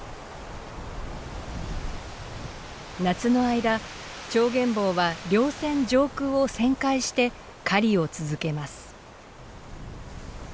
夏の間チョウゲンボウは稜線上空を旋回して狩りを続けます。